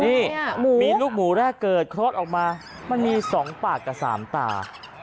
นี่มีลูกหมูแรกเกิดคลอดออกมามันมี๒ปากกับ๓ตา